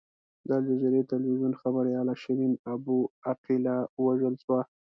د الجزیرې ټلویزیون خبریاله شیرین ابو عقیله ووژل شوه.